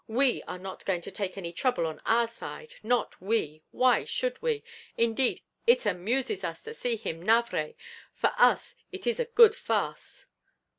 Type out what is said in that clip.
We_ are not going to take any trouble on our side, not we! why should we? Indeed, it amuses us to see him navré for us, it is a good farce."'